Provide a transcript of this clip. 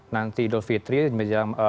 nanti idul fitri jam